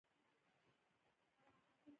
آیا الله بخښونکی دی؟